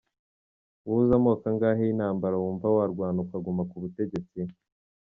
Wowe uzi amoko angahe y’intambara wumva warwana ukaguma kubutetsi?